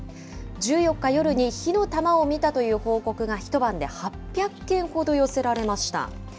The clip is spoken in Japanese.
１４日夜に火の球を見たという報告が一晩で８００件ほど寄せられました。